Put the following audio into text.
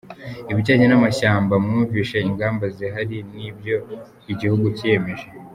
Ibijyanye n’amashyamba mwumvise ingamba zihari n’ibyo igihugu cyiyemeje.